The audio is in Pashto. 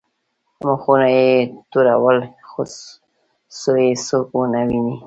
مخونه به یې تورول څو یې څوک ونه ویني.